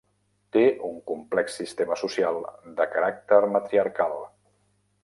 Té un complex sistema social de caràcter matriarcal.